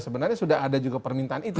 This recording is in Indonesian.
sebenarnya sudah ada juga permintaan itu